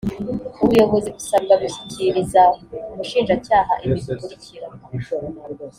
ubuyobozi busabwa gushyikiriza umushinjacyaha ibi ikurikira